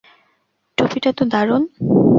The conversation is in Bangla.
টুপিটা তো দারুন!